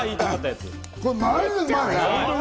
これマジうまいね！